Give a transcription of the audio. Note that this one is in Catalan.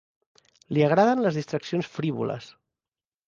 Li agraden les distraccions frívoles.